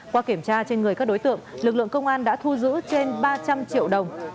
qua kiểm tra trên người các đối tượng lực lượng công an đã thu giữ trên ba trăm linh triệu đồng